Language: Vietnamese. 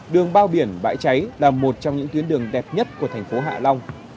đường bao biển bãi cháy là một trong những tuyến đường đẹp nhất của thành phố hạ long